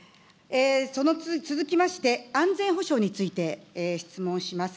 続きまして、安全保障について質問します。